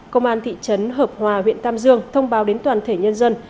công an thị trấn hợp hòa huyện tam dương thông báo đến toàn thể nhân dân